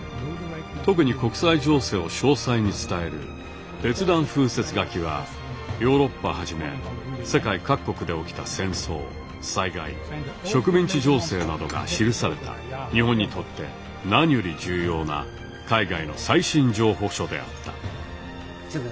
特に国際情勢を詳細に伝える「別段風説書」はヨーロッパはじめ世界各国で起きた戦争災害植民地情勢などが記された日本にとって何より重要な海外の最新情報書であった。